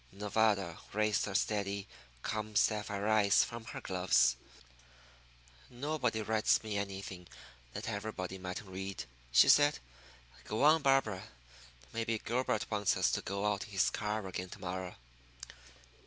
Nevada raised her steady, calm, sapphire eyes from her gloves. "Nobody writes me anything that everybody mightn't read," she said. "Go on, Barbara. Maybe Gilbert wants us to go out in his car again to morrow."